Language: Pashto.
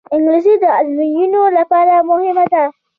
انګلیسي د ازموینو لپاره مهمه ده